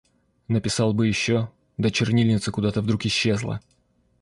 Написал бы ещё, да чернильница куда-то вдруг исчезла.